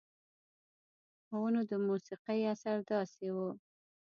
پۀ ونو د موسيقۍ اثر داسې وو